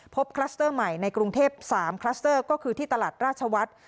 คลัสเตอร์ใหม่ในกรุงเทพ๓คลัสเตอร์ก็คือที่ตลาดราชวัฒน์